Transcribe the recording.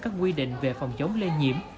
các quy định về phòng chống lây nhiễm